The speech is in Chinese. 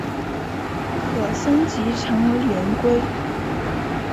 可升级成为灵龟。